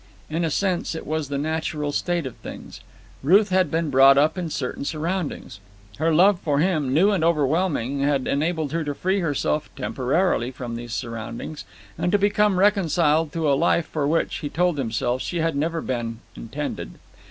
In a sense, it was the natural state of things. Ruth had been brought up in certain surroundings. Her love for him, new and overwhelming, had enabled her to free herself temporarily from these surroundings and to become reconciled to a life for which, he told himself, she had never been intended.